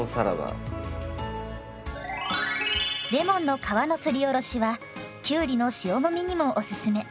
レモンの皮のすりおろしはきゅうりの塩もみにもおすすめ。